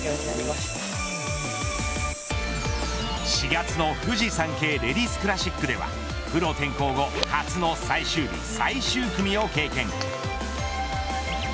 ４月のフジサンケイレディスクラシックではプロ転向後初の最終日最終組を経験。